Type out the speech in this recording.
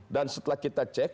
dan setelah kita cek